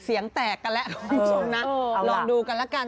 เสียงแตกกันแล้วลองดูกันละกัน